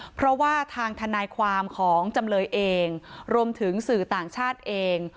เพราะว่าทางทนายความของจำเลยเองรวมถึงสื่อต่างชาติเอง